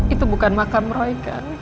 itu bukan makam roy kan